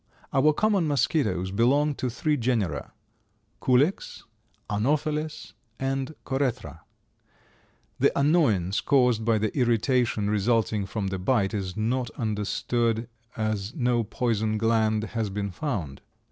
Our common mosquitoes belong to three genera, Culex, Anopheles and Corethra. The annoyance caused by the irritation resulting from the bite is not understood, as no poison gland has been found.